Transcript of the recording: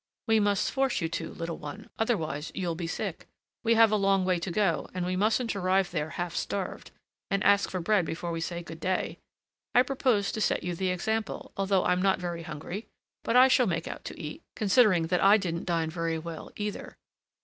"We must force you to, little one; otherwise you'll be sick. We have a long way to go, and we mustn't arrive there half starved, and ask for bread before we say good day. I propose to set you the example, although I'm not very hungry; but I shall make out to eat, considering that I didn't dine very well, either.